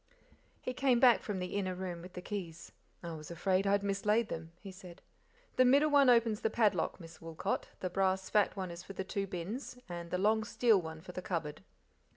He came back froth the inner room with the keys. "I was afraid I had mislaid then," he said; "the middle one opens the padlock, Miss Woolcot; the brass fat one is for the two bins, and the long steel one for the cupboard."